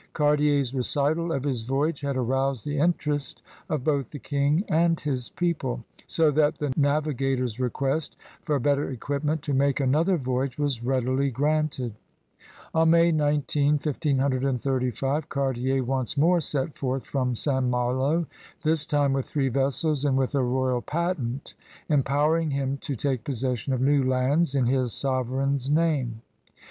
Cartier's redtid of his voyage had aroused the interest of both the King and his pec^le, so that the navigator's request for better equip ment to make another voyage was readily granted. On May 19, 1535, Cartier once more set forth from St. Malo, this time with three vessels and with 20 CRUSADEBS OF NEW FRANCE a royal patent empowering him to take possession of new lands in his sovereign's name.